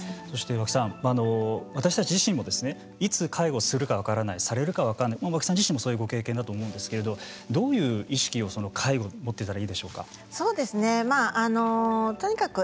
そして和氣さん私たち自身もいつ介護するか分からないされるか分からない和氣さん自身もそういうご経験だと思うんですけれどどういう意識をその介護に持っていたらいいでしょうか。